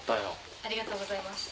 ありがとうございます。